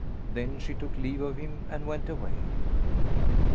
Then she took leave of him and went away.